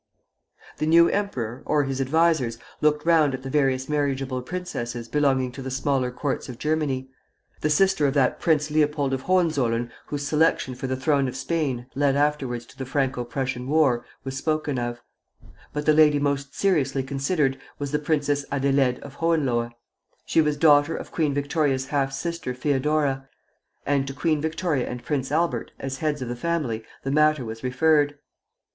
The new emperor, or his advisers, looked round at the various marriageable princesses belonging to the smaller courts of Germany. The sister of that Prince Leopold of Hohenzollern whose selection for the throne of Spain led afterwards to the Franco Prussian war, was spoken of; but the lady most seriously considered was the Princess Adélaïde of Hohenlohe. She was daughter of Queen Victoria's half sister Feodora; and to Queen Victoria and Prince Albert, as heads of the family, the matter was referred.